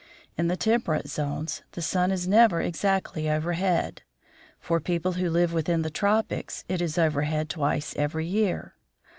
In the temperate zones the sun is never exactly over head. For people who live within the tropics it is over THE FROZEN NORTH head twice every year.